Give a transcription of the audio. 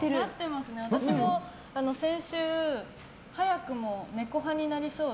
私も先週早くもネコ派になりそうで。